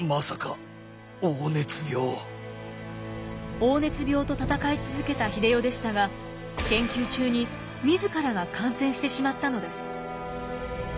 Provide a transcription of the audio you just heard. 黄熱病と闘い続けた英世でしたが研究中に自らが感染してしまったのです。